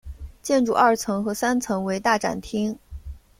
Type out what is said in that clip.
建筑二层和三层为大展厅。